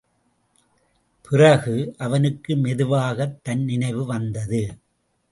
பிறகு, அவனுக்கு மெதுவாகத் தன் நினைவு வந்தது.